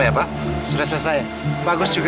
tidak ada yang bisa membunuhmu